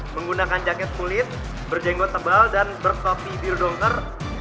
menggunakan jaket kulit berjenggot tebal dan berkopi biru dongker